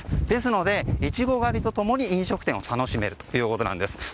ですので、イチゴ狩りと共に飲食店が楽しめるということです。